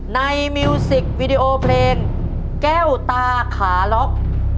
มิวสิกวีดีโอเพลงแก้วตาขาล็อก